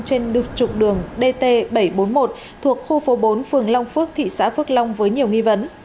trên trục đường dt bảy trăm bốn mươi một thuộc khu phố bốn phường long phước thị xã phước long với nhiều nghi vấn